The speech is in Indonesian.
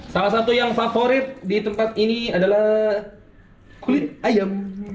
salah satu yang favorit di tempat ini adalah kulit ayam